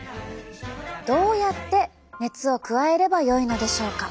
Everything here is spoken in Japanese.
どうやって熱を加えればよいのでしょうか？